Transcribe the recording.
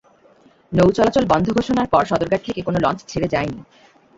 নৌ চলাচল বন্ধ ঘোষণার পর সদরঘাট থেকে কোনো লঞ্চ ছেড়ে যায়নি।